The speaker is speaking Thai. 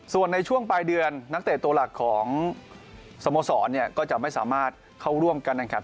ส่วนในช่วงปลายเดือนนักเตะตัวหลักของสโมสรเนี่ยก็จะไม่สามารถเข้าร่วมกันแข่งขัน